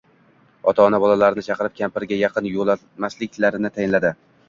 Ota-ona bolalarni chaqirib, kampirga yaqin yoʻlamaslik-larini tayinladi